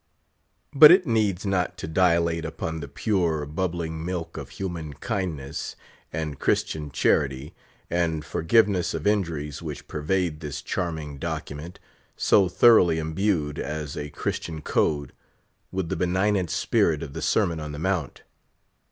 But it needs not to dilate upon the pure, bubbling milk of human kindness, and Christian charity, and forgiveness of injuries which pervade this charming document, so thoroughly imbued, as a Christian code, with the benignant spirit of the Sermon on the Mount.